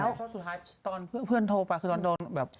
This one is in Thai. เพราะสุดท้ายตอนเพื่อนโทรไปคือตอนโดนแบบ